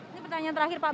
ini pertanyaan terakhir pak